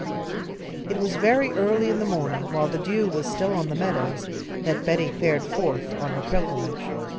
It was very early in the morning, while the dew was still on the meadows, that Betty fared forth on her pilgrimage.